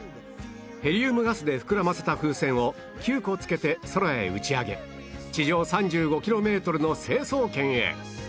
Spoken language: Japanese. ヘリウムガスで膨らませた風船を９個付けて空へ打ち上げ地上３５キロメートルの成層圏へ